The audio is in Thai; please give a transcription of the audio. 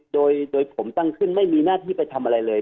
โดยผมตั้งขึ้นไม่มีหน้าที่ไปทำอะไรเลย